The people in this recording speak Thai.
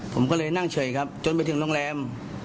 ผมก็เลยนั่งเฉยครับจนไปถึงโรงแรม